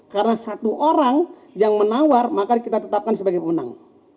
karena satu orang yang menawar maka kita tetapkan sebagai pemenang